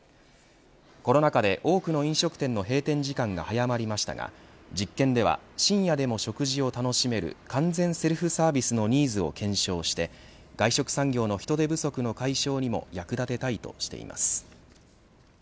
コロナ禍で多くの飲食店の閉店時間が早まりましたが実験では深夜でも食事を楽しめる完全セルフサービスのニーズを検証して外食産業の人手不足の解消にも役立てたいとしています。